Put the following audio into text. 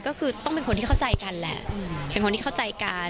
ก็คือต้องเป็นคนที่เข้าใจกันแหละเป็นคนที่เข้าใจกัน